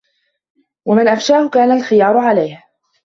وَمَنْ أَفْشَاهُ كَانَ الْخِيَارُ عَلَيْهِ